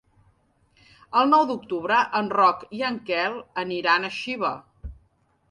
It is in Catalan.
El nou d'octubre en Roc i en Quel iran a Xiva.